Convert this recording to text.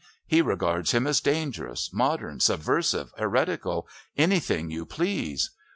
He regards him as dangerous, modern, subversive, heretical, anything you please.